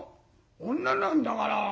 女なんだから。